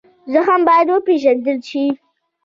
زخم باید وپېژندل شي.